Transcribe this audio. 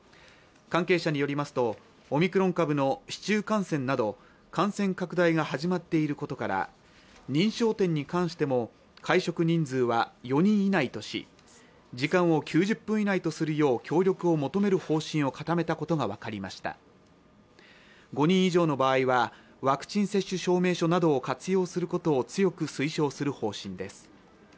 関係者によりますとオミクロン株の市中感染など感染拡大が始まっていることから認証店に関しても会食人数は４人以内とし時間を９０分以内とするよう協力を求める方針を固めたことが分かりました５人以上の場合はワクチン接種証明書などを活用することを強く推奨する方針です